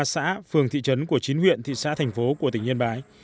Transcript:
bốn mươi ba xã phường thị trấn của chín huyện thị xã thành phố của tỉnh yên bái